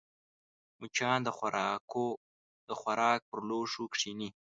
مچان د خوراک پر لوښو کښېني